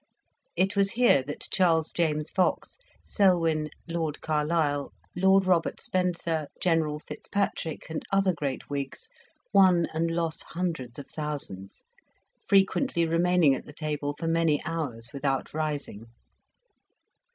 It was here that Charles James Fox, Selwyn, Lord Carlisle, Lord Robert Spencer, General Fitzpatrick, and other great Whigs, won and lost hundreds of thousands; frequently remaining at the table for many hours without rising.